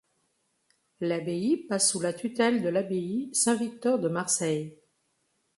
L'abbaye passe sous la tutelle de l'abbaye Saint-Victor de Marseille.